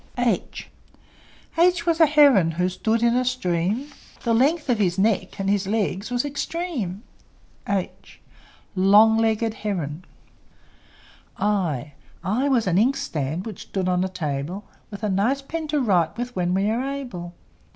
H H was a heron, Who stood in a stream: The length of his neck And his legs was extreme. h! Long legged heron! I I was an inkstand, Which stood on a table, With a nice pen to write with When we are able.